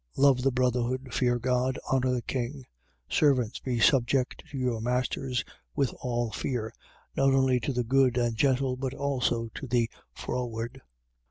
Love the brotherhood. Fear God. Honour the king. 2:18. Servants, be subject to your masters with all fear, not only to the good and gentle but also to the froward.